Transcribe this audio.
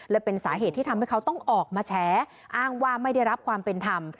และเป็นสาเหตุที่ทำให้เขาต้องออกมาแฉอ้างว่าไม่ได้รับความเป็นธรรม